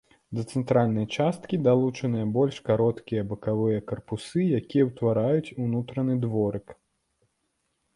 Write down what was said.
Да цэнтральнай часткі далучаныя больш кароткія бакавыя карпусы, якія ўтвараюць унутраны дворык.